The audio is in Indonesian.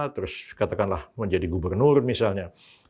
terus katakanlah mau jadi gubernur misalnya